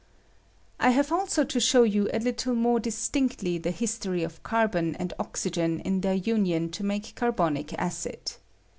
I have also to show you a Uttlo more dis tinctly the history of carbon and oxygen in their imion to make carbonic acid.